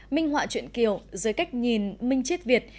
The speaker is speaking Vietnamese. minh họa chuyện kiều dưới cách nhìn minh chiết việt